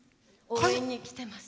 応援に来てます。